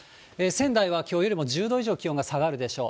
仙台はきょうよりも１０度以上気温が下がるでしょう。